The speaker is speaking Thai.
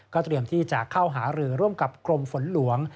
เตรียมที่จะเข้าหารือร่วมกับกรมฝนหลวง